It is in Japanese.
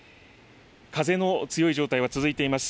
風の強い状態は続いています。